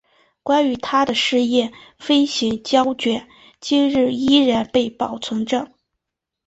关于他的试验飞行胶卷今日依然被保存着。